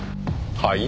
はい？